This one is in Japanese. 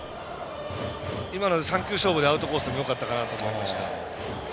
今の３球勝負でアウトコースでもよかったかなと思いました。